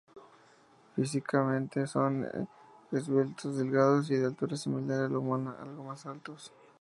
Físicamente son esbeltos, delgados y de altura similar a la humana, algo más altos.